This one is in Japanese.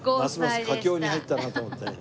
ますます佳境に入ったなと思ってね。